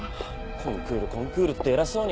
コンクールコンクールって偉そうに。